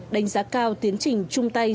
đánh giá cao tiến trình chung tay